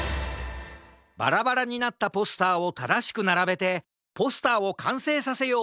バラバラになったポスターをただしくならべてポスターをかんせいさせよう！